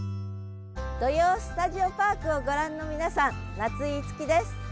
「土曜スタジオパーク」をご覧の皆さん、夏井いつきです。